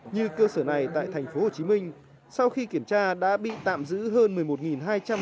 như cơ sở này tại thành phố hồ chí minh sau khi kiểm tra đã bị tạm giữ hơn một mươi một hai trăm linh khẩu trang thành phẩm